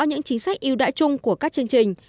những chính sách yêu đãi chung của các chương trình